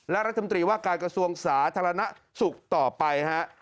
และรัฐมนตรีว่าการกระทรวงสาธารณสุขต่อไปฮะ